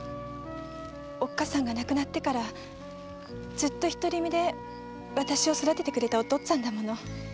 おっかさんが亡くなってからずっと独り身で私を育ててくれたお父っつぁんだもの。